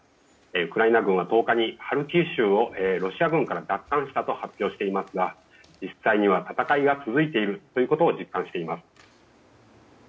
ウクライナ軍は１０日にハルキウ州をロシア軍から奪還したと発表していますが実際には戦いが続いているということを実感しています。